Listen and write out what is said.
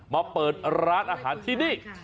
มาเปิดร้านอาหารที่นี่